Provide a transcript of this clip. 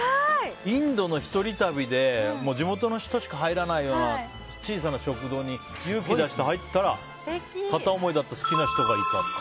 インドの一人旅で地元の人しか入らないような小さな食堂に勇気出して入ったら片思いだった好きな人がいたって。